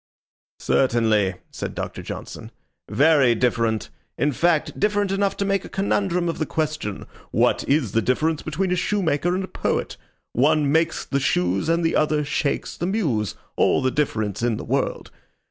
"Certainly," said Doctor Johnson. "Very different in fact, different enough to make a conundrum of the question what is the difference between a shoemaker and a poet? One makes the shoes and the other shakes the muse all the difference in the world.